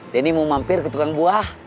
denny mau mampir ke tukang buah